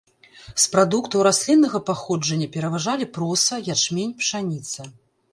З прадуктаў расліннага паходжання пераважалі проса, ячмень, пшаніца.